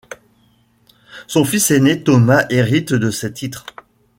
Son fils aîné Thomas hérite de ses titres.